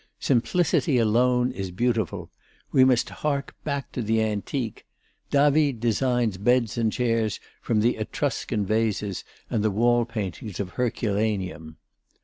Simplicity alone is beautiful. We must hark back to the antique. David designs beds and chairs from the Etruscan vases and the wall paintings of Herculaneum."